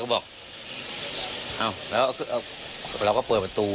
พี่สมหมายก็เลย